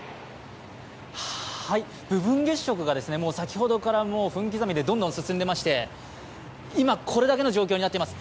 部分月食がもう先ほどから分刻みでどんどん進んでまして、今、これだけの状況になってます。